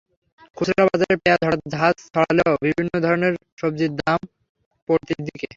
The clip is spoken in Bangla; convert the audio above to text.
খুচরা বাজারে পেঁয়াজ হঠাৎ ঝাঁজ ছড়ালেও বিভিন্ন ধরনের সবজির দাম পড়তির দিকে।